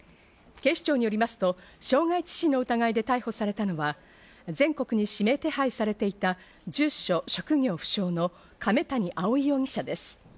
警視庁によりますと、傷害致死の疑いで逮捕されたのは全国に指名手配されていた住所職業不詳の亀谷蒼容疑者です。